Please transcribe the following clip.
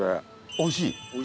おいしい。